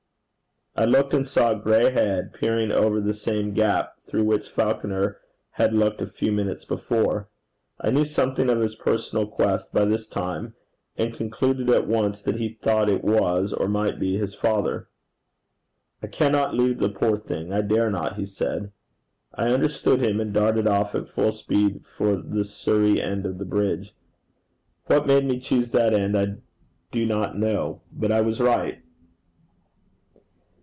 I looked and saw a gray head peering over the same gap through which Falconer had looked a few minutes before. I knew something of his personal quest by this time, and concluded at once that he thought it was or might be his father. 'I cannot leave the poor thing I dare not,' he said. I understood him, and darted off at full speed for the Surrey end of the bridge. What made me choose that end, I do not know; but I was right.